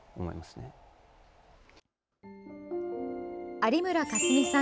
有村架純さん